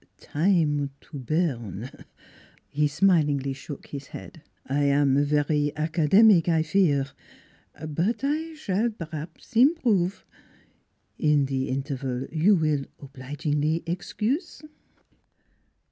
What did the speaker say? "Time to burn?" He smilingly shook his head. " I am very academic, I fear. But I s'all per haps improve; in the interval you will obligingly excuse?